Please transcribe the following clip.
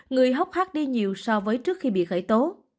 người hóc hát đi nhiều so với trước khi bị khởi tố